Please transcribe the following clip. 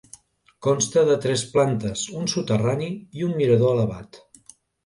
Consta de tres plantes, un soterrani i un mirador elevat.